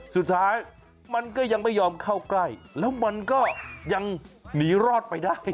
สุดท้ายมันก็ยังไม่ยอมเข้าใกล้แล้วมันก็ยังหนีรอดไปได้